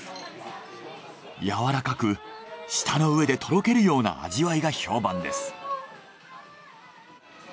やわらかく舌の上でとろけるような味わいが評判です。